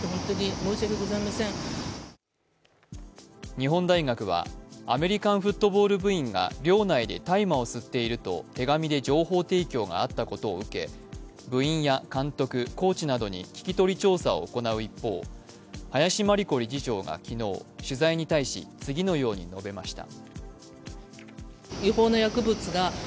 日本大学はアメリカンフットボール部員が寮内で大麻を吸っていると手紙で情報提供があったことを受け部員や監督、コーチなどに聞き取り調査を行う一方、林真理子理事長が昨日取材に対し次のように述べました。